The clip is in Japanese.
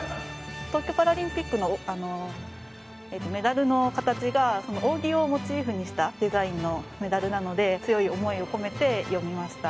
東京パラリンピックのメダルの形が扇をモチーフにしたデザインのメダルなので強い思いを込めて詠みました。